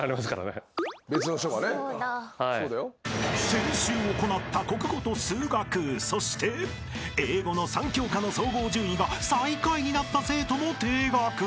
［先週行った国語と数学そして英語の３教科の総合順位が最下位になった生徒も停学］